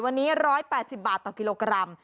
วันนี้๑๘๐บาทต่อกิโลกรัม